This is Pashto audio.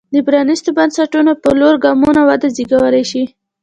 د پرانېستو بنسټونو په لور ګامونه وده زېږولی شي.